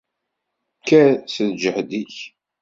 Kker, s lǧehd-ik!